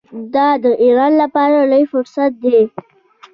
دا د ایران لپاره لوی فرصت دی.